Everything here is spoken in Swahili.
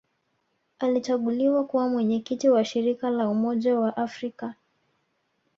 Alichaguliwa kuwa Mwenyekiti wa Shirika la Umoja wa Afrika